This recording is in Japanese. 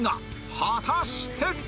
果たして！